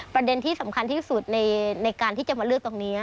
ประเด็นที่สำคัญที่สุดในการที่จะมาเลือกตรงนี้